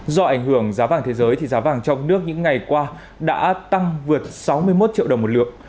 do ảnh hưởng giá vàng thế giới thì giá vàng trong nước những ngày qua đã tăng vượt sáu mươi một triệu đồng một lượng